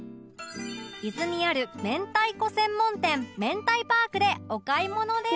伊豆にある明太子専門店めんたいパークでお買い物です